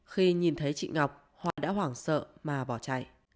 khi nhìn thấy chị ngọc họa đã hoảng sợ mà bỏ chạy